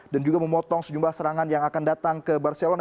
dan juga memotong sejumlah serangan yang akan datang ke barcelona